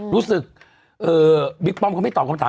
นายกเลิศมากนายกบอกว่า